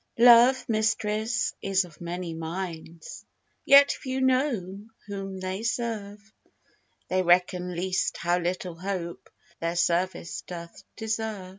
Love mistress is of many minds, Yet few know whom they serve; They reckon least how little hope Their service doth deserve.